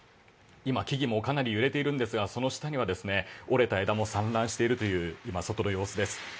今、木々もかなり揺れているんですがその下には折れた枝も散乱しているという今の外の様子です。